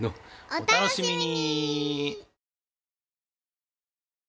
お楽しみに！